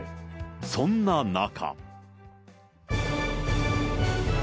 そんな中。